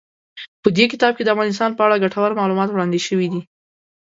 په دې کتاب کې د افغانستان په اړه ګټور معلومات وړاندې شوي دي.